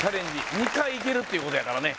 ２回いけるっていうことやからね